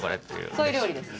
そういう料理です。